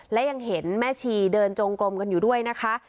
และยังเห็นแม่ชีเดินจงกลมกันอยู่ด้วยนะคะ